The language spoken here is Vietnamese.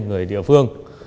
người địa phương